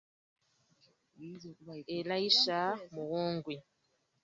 Elayisha Muwonge bw'abadde alambuza Ppookino Muleke n'abakulembeze b'essaza